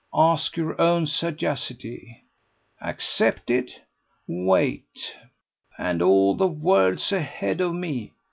"Ask your own sagacity." "Accepted?" "Wait." "And all the world's ahead of me!